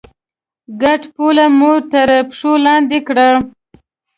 ګډه پوله مو تر پښو لاندې کړه.